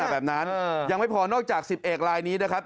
ลักษณะแบบนั้นยังไม่พอนอกจาก๑๐เอกลายนี้นะครับ